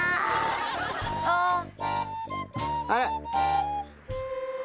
あれ？